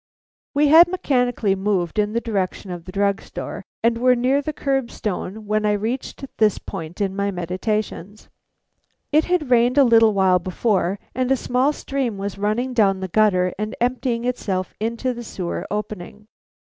We had mechanically moved in the direction of the drug store and were near the curb stone when I reached this point in my meditations. It had rained a little while before, and a small stream was running down the gutter and emptying itself into the sewer opening.